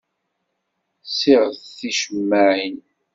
Ssiɣet ticemmaɛin.